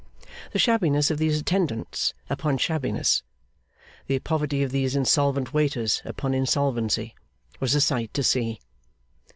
The shabbiness of these attendants upon shabbiness, the poverty of these insolvent waiters upon insolvency, was a sight to see.